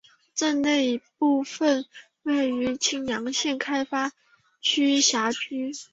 镇内一部分为青阳县开发区辖区。